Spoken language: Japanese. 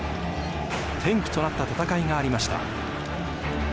転機となった戦いがありました。